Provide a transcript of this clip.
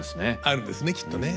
あるんですねきっとね。